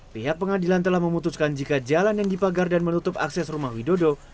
pihak pengadilan telah memutuskan jika jalan yang dipagar dan menutup akses rumah widodo